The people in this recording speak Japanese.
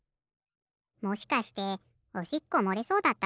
もしかしておしっこもれそうだったとか？